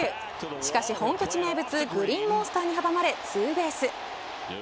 しかし本拠地名物グリーンモンスターに阻まれツーベース。